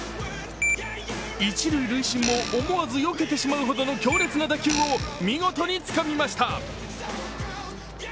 一塁塁審も思わずよけてしまうほどの強烈な打球を見事につかみました。